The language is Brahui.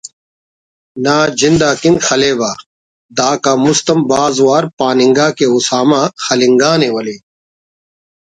نا جند اکن خلیوہ“ دا کان مست ہم بھاز وار پاننگا کہ اسامہ خلنگانے ولے